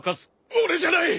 俺じゃない！